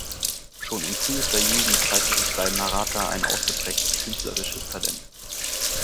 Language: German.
Schon in frühester Jugend zeigte sich bei Maratta ein ausgeprägtes künstlerisches Talent.